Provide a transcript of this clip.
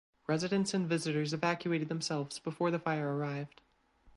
Residents and visitors evacuated themselves before the fire arrived.